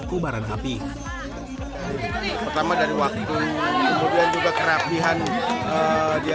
kubaran api pertama dari waktu kemudian juga kerapihan dia apa yang sudah kita tentukan terdekat